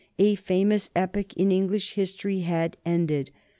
A famous epoch in English history had ended.